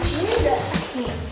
ini udah sakit